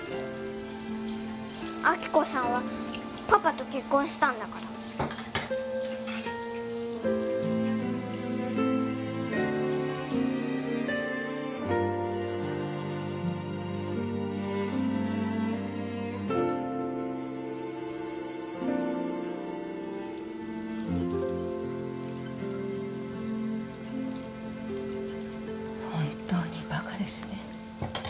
亜希子さんはパパと結婚したんだから本当にバカですね